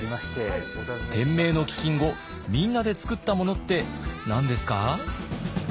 天明の飢饉後みんなでつくったものって何ですか？